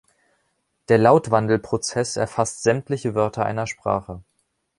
Der Lautwandel-Prozess erfasst sämtliche Wörter einer Sprache.